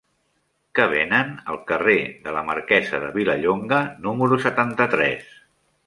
Què venen al carrer de la Marquesa de Vilallonga número setanta-tres?